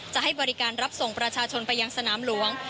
ให้บริการรับส่งประชาชนไปยังสนามหลวง